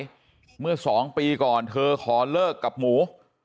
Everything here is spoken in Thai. เมื่อ๒ปีก่อนเธอขอเลิกกับหมู